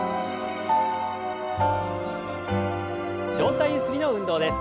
上体ゆすりの運動です。